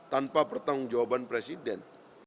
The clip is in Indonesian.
tanpa pertanggung jawaban presiden